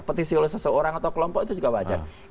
petisi oleh seseorang atau kelompok itu juga wajar